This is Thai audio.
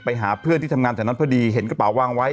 ไปหาเพื่อนที่ทำงานแถวนั้นพอดีเห็นกระเป๋าวางไว้